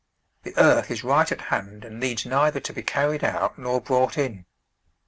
The earth is right at hand and needs neither to be carried out nor brought in.